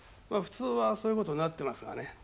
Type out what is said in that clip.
普通はそういう事になってますがね。